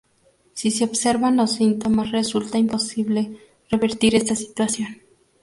Si se observan los síntomas resulta imposible revertir esta situación.